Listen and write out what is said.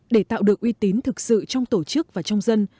để tạo được uy tín thực sự trong tổ chức và trong dân